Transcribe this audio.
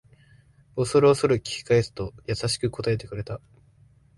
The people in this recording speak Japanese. おそるおそる聞き返すと優しく答えてくれた